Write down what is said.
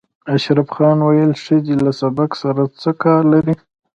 اشرف خان ویل ښځې له سبق سره څه کار لري